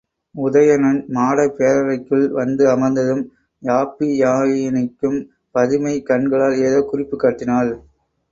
உதயணன் மாடப் பேரறைக்குள் வந்து அமர்ந்ததும், யாப்பியாயினிக்குப் பதுமை கண்களால் ஏதோ குறிப்புக் காட்டினாள்.